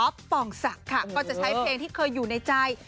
อ๊อฟปองสักค่ะก็จะใช้เพลงที่เคยอยู่ในใจ